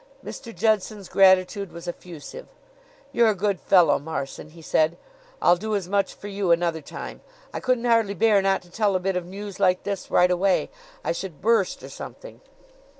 Mr. Judson's gratitude was effusive. "You're a good fellow, Marson," he said. "I'll do as much for you another time. I couldn't hardly bear not to tell a bit of news like this right away. I should burst or something."